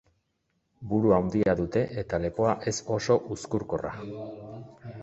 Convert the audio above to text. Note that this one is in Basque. Buru handia dute eta lepoa ez oso uzkurkorra.